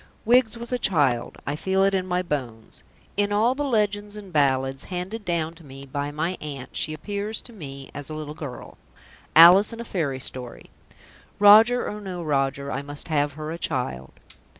Wiggs was a child; I feel it in my bones. In all the legends and ballads handed down to me by my aunt she appears to me as a little girl Alice in a fairy story. Roger or no Roger I must have her a child.